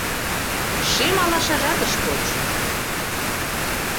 Шем алашажат ыш коч.